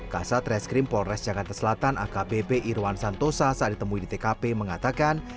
kasat reskrim polres jakarta selatan akbp irwan santosa saat ditemui di tkp mengatakan